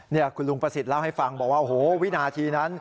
นี่คุณลุงประสิทธิ์เล่าให้ฟังบอกว่าโอ้โหวินาทีนั้น